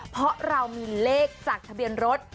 เพราะเรามีเลขจากทะเบียนรถ